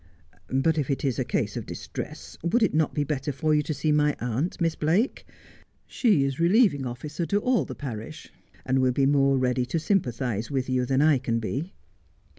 But if it is a case of distress, would it not be better for you to see my aunt, Miss Blake 1 She is relieving officer to all the parish, and will be more ready to sympathize with you than I can be.'